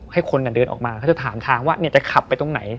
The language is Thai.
ให้คนเดินออกมาเขาจะถามทางว่าจะขับไปตรงไหน